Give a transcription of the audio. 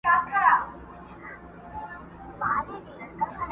o دا مي سمنډوله ده، برخه مي لا نوره ده!